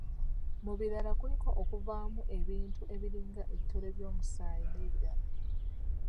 Mu birala kuliko okuvaamu ebintu ebiringa ebitole by'omusaayi n'ebirala